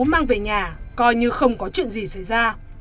mang về nhà coi như không có chuyện gì xảy ra